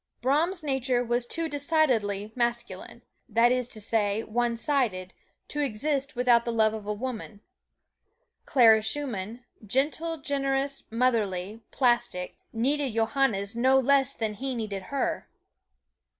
Brahms' nature was too decidedly masculine, that is to say, one sided, to exist without the love of woman; Clara Schumann, gentle, generous, motherly, plastic, needed Johannes no less than he needed her.